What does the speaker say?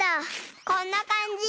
こんなかんじ？